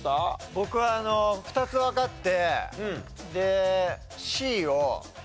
僕は２つわかって。